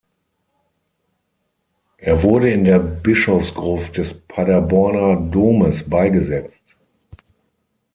Er wurde in der Bischofsgruft des Paderborner Domes beigesetzt.